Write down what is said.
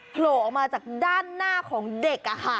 โผล่ออกมาจากด้านหน้าของเด็ก